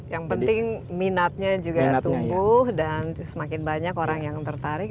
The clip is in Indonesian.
yang penting minatnya juga tumbuh dan semakin banyak orang yang tertarik